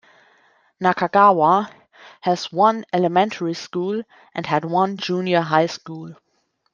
Nakagawa has one elementary school and had one junior high school.